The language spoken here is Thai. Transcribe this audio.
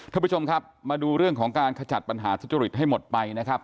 ท่านผู้ชมครับมาดูเรื่องของการขจัดปัญหาทุจริตให้หมดไปนะครับ